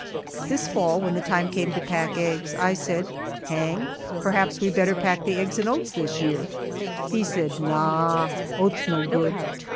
This fall when the time came to pack eggs, I said, "Hang, perhaps we had better pack the eggs in oats this year." He said, "Naw, loats no glood!"